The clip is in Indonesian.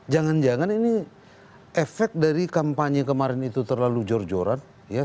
jangan jangan ini efek dari kampanye kemarin itu terlalu jor joran